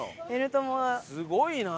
すごいな。